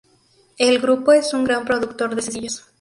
El grupo es un gran productor de sencillos.